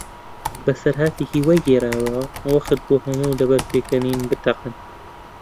بەسەرهاتێکی وای گێڕایەوە، وەختبوو هەموو لەبەر پێکەنین بتەقن.